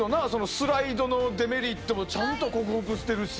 スライドのデメリットもちゃんと克服してるし。